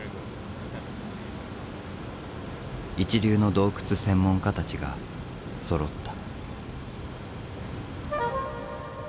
一流の洞窟専門家たちがそろった。